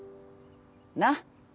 なっ？